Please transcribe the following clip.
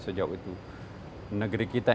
sejauh itu negeri kita